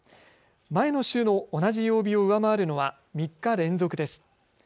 前の週の同じ曜日を上回るのは３日連続です。